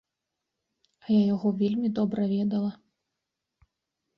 А я яго вельмі добра ведала.